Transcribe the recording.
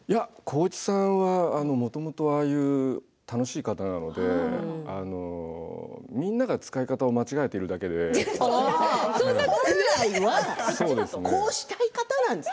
浩市さんはもともとはああいう楽しい方なのでみんなが使い方を間違えているだけなので。